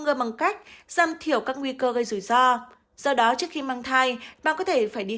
ngơ bằng cách giam thiểu các nguy cơ gây rủi ro do đó trước khi mang thai bạn có thể phải đi